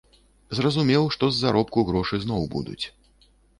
Разумеў, што з заробку грошы зноў будуць.